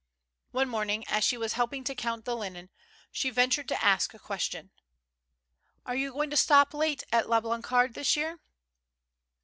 One morning, as she was helping to count the linen, she ventured to ask a question : "Are you going to stop late at La Blancarde this year